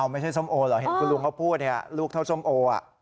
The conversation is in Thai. ไม่ใช่ส้มโอเหรอเห็นคุณลุงเขาพูดลูกเท่าส้มโอ